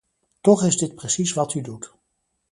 Toch is dit precies wat u doet.